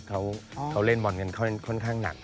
เขาเล่นบอลกันค่อนข้างหนัก